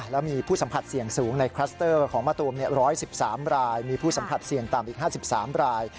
แล้วมีผู้สัมผัสเสี่ยงสูงในคลัสเตอร์ของมะตูม๑๑๓รายมีผู้สัมผัสเสี่ยงต่ำอีก๕๓ราย